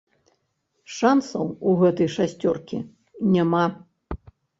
Шансаў у гэтай шасцёркі няма.